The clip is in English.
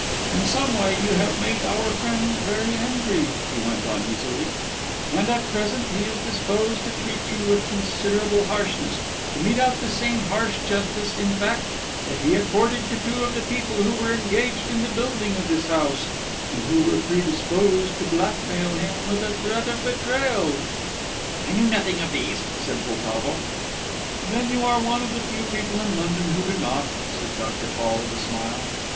In some way you have made our friend very angry," he went on, easily; "and at present he is disposed to treat you with considerable harshness, to mete out the same harsh justice, in fact, that he accorded to two of the people who were engaged in the building of this house, and who were predisposed to blackmail him with a threat of betrayal." "I knew nothing of these," said Poltavo. "Then you are one of the few people in London who do not," said Dr. Fall, with a smile.